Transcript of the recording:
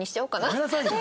やめなさいよ！